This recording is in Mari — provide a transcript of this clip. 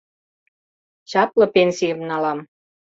Чапле пенсийым налам.